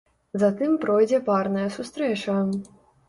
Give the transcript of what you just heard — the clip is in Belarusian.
Затым пройдзе парная сустрэча.